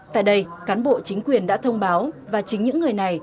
tại đây cán bộ chính quyền đã thông báo và chính những người này